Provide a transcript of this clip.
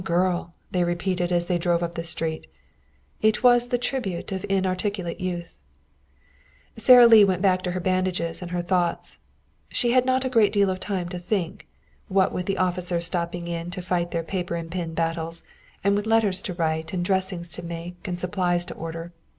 "Some girl!" they repeated as they drove up the street. It was the tribute of inarticulate youth. Sara Lee went back to her bandages and her thoughts. She had not a great deal of time to think, what with the officers stopping in to fight their paper and pin battles, and with letters to write and dressings to make and supplies to order.